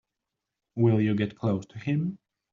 Will you get close to him?